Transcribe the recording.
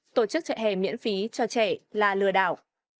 tổ chức trại hè miễn phí cho trẻ là lừa đảo